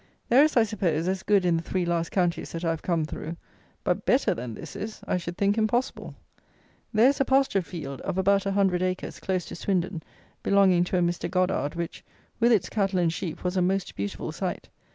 There is, I suppose, as good in the three last counties that I have come through; but better than this is, I should think, impossible. There is a pasture field, of about a hundred acres, close to Swindon, belonging to a Mr. Goddard, which, with its cattle and sheep, was a most beautiful sight.